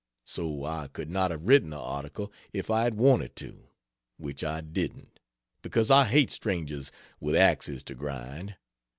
So I could not have written the article if I had wanted to which I didn't; because I hate strangers with axes to grind.